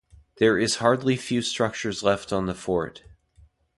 There is hardly few structures left on the fort.